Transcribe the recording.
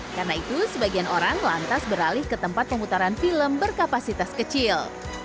karena itu sebagian orang lantas beralih ke tempat pemutaran film berkapasitas kecil